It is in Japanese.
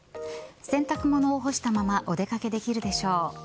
洗濯物を干したままお出掛けできるでしょう。